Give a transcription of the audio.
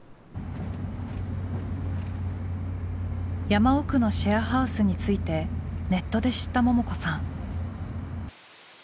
山奥のシェアハウスについてネットで知ったももこさん。